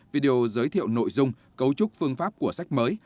video giới thiệu nội dung cấu trúc phương pháp của sách mới